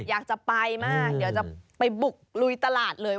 อยากจะไปมากเดี๋ยวจะไปบุกลุยตลาดเลย